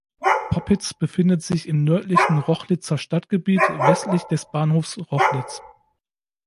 Poppitz befindet sich im nördlichen Rochlitzer Stadtgebiet westlich des Bahnhofs Rochlitz.